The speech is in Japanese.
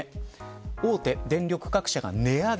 大手電力各社が値上げ